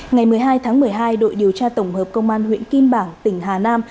ngày một mươi hai tháng một mươi hai đội điều tra tổng hợp công an huyện kim bảng tỉnh hà nam